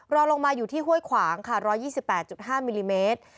รอลงมาอยู่ที่ห้วยขวางค่ะ๑๒๘๕มิลลิเมตร